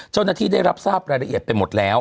เจ้าหน้าที่ได้รับทราบรายละเอียดไปหมดแล้ว